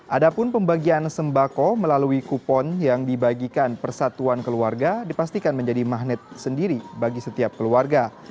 ada pun pembagian sembako melalui kupon yang dibagikan persatuan keluarga dipastikan menjadi magnet sendiri bagi setiap keluarga